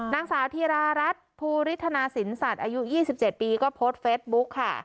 นางสาวธีรารัฐภูริทนาสินสัตว์อายุ๒๗ปีก็โพสต์เฟสบุ๊กค่ะ